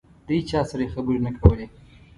د هېچا سره یې خبرې نه کولې.